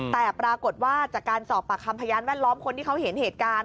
แต่ปรากฏว่าจากการสอบปากคำพยานแวดล้อมคนที่เขาเห็นเหตุการณ์